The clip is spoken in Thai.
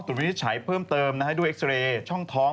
วินิจฉัยเพิ่มเติมด้วยเอ็กซ์เรย์ช่องท้อง